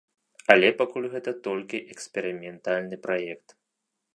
Але пакуль гэта толькі эксперыментальны праект.